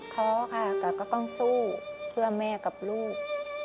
ท้อค่ะแต่ก็ต้องสู้เพื่อแม่กับลูก